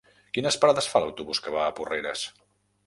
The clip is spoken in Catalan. Quines parades fa l'autobús que va a Porreres?